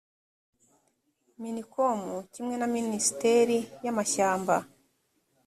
minicom kimwe na minisiteri y amashyamba